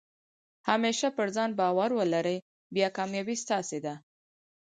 همېشه پر ځان بارو ولرئ، بیا کامیابي ستاسي ده.